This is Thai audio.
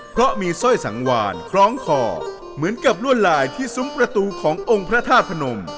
เพราะมีสร้อยสังวานคล้องคอเหมือนกับลวดลายที่ซุ้มประตูขององค์พระธาตุพนม